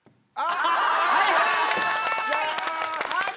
はいはい！